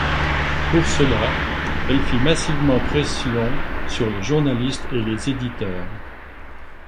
Pour cela, elle fit massivement pression sur les journalistes et les éditeurs.